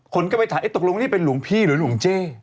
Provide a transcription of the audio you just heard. คนก็ไปถามตกลงนี่เป็นหลวงพี่หรือหลวงเจ้